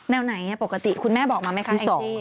แนวไหนปกติคุณแม่บอกมาไหมคะไอ้พี่